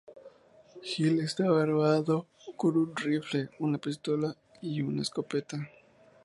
Gill estaba armado con un rifle, una pistola y con una escopeta.